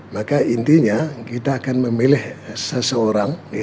maka intinya kita akan memilih seseorang